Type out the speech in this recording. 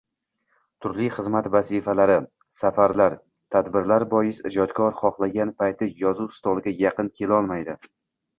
Turli xizmat vazifalari, safarlar, tadbirlar bois ijodkor xohlagan payti yozuv stoliga yaqin kelolmaydi